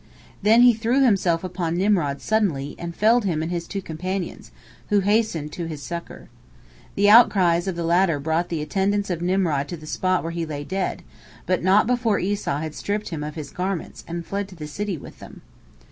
Then he threw himself upon Nimrod suddenly, and felled him and his two companions, who hastened to his succor. The outcries of the latter brought the attendants of Nimrod to the spot where he lay dead, but not before Esau had stripped him of his garments, and fled to the city with them.